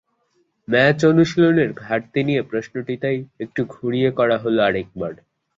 Match অনুশীলনের ঘাটতি নিয়ে প্রশ্নটি তাই একটু ঘুরিয়ে করা হলো আরেকবার।